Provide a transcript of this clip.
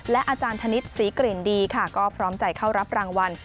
อาจารย์ธนิษฐ์ศรีกลิ่นดีค่ะก็พร้อมใจเข้ารับรางวัล